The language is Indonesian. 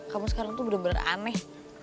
kamu sekarang tuh bener bener aneh